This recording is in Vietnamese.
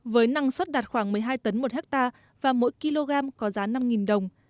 với năng suất đạt khoảng một mươi hai tấn một hectare và mỗi kg có giá năm đồng